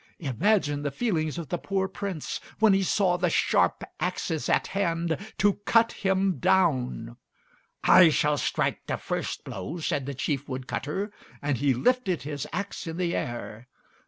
Imagine the feelings of the poor Prince when he saw the sharp axes at hand to cut him down! "I shall strike the first blow," said the chief wood cutter, and he lifted his axe in the air.